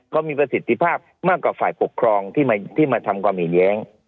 เขามีประสิทธิภาพมากกว่าฝ่ายปกครองที่มาทำความเห็นแย้ง